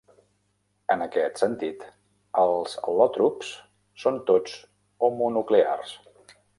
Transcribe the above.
En aquest sentit, els al·lòtrops són tots homonuclears.